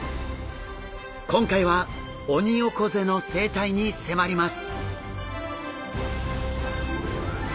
今回はオニオコゼの生態に迫ります。